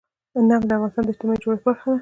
نفت د افغانستان د اجتماعي جوړښت برخه ده.